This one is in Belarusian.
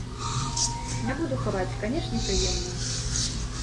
Не буду хаваць, канешне прыемна.